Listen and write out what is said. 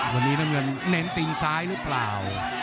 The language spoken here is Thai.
วันนี้น้ำเงินเน้นตีนซ้ายหรือเปล่า